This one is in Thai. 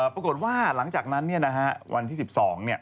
ปรากฏว่าหลังจากนั้นเนี่ยนะฮะวันที่๑๒